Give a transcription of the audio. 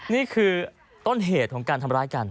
นี่คือต้นเหตุของการทำร้ายกัน